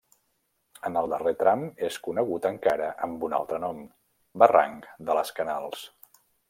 En el darrer tram és conegut encara amb un altre nom: barranc de les Canals.